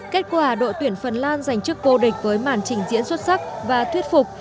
kết quả đội tuyển phần lan giành chức vô địch với màn trình diễn xuất sắc và thuyết phục